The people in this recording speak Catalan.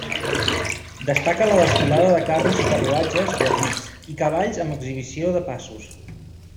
Destaca la desfilada de carros i carruatges guarnits, i cavalls amb exhibició de passos.